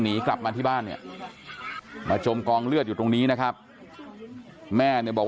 หนีกลับมาที่บ้านเนี่ยมาจมกองเลือดอยู่ตรงนี้นะครับแม่เนี่ยบอก